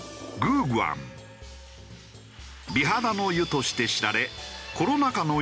美肌の湯として知られコロナ禍の